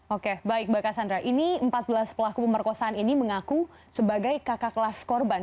oke baik mbak cassandra ini empat belas pelaku pemerkosaan ini mengaku sebagai kakak kelas korban